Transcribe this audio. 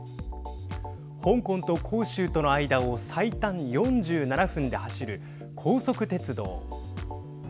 香港と広州との間を最短４７分で走る高速鉄道。